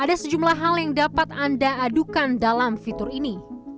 ada sejumlah hal yang dapat anda adukan dalam fitur ini